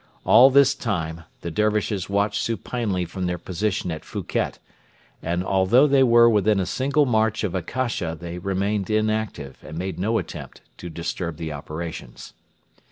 All this time the Dervishes watched supinely from their position at Fuket, and although they were within a single march of Akasha they remained inactive and made no attempt to disturb the operations.